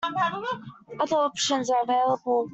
Other options are available.